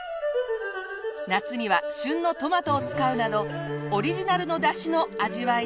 夏には旬のトマトを使うなどオリジナルのだしの味わいです。